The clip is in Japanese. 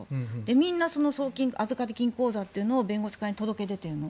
みんなその送金預かり金口座というのを弁護士会に届け出ているの。